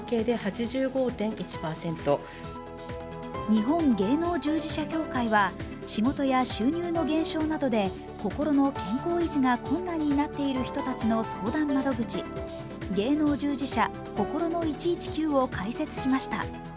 日本芸能従事者協会は、仕事や収入の減少などで心の健康維持が困難になっている人たちの相談窓口、芸能従事者こころの１１９を開設しました。